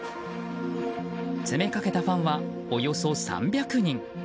詰めかけたファンはおよそ３００人。